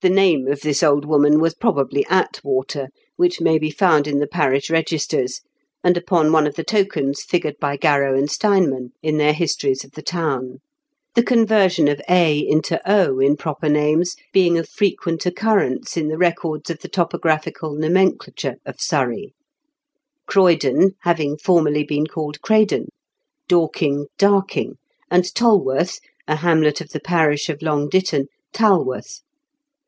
The name of this old woman was probably Atwater, which may be found in the parish registers, and upon one of the tokens figured by Garrow and Steinman in their histories of the town ; the conversion of a into o in proper names being of frequent occurrence in the records of the topographical nomenclature of Surrey, Croydon having formerly been called Craydon, Dorking Parking, and Tolworth, a hamlet of the parish of Long Ditton, Tal worth.